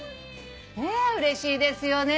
ねえうれしいですよね。